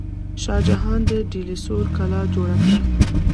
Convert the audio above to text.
شاه جهان د ډیلي سور کلا جوړه کړه.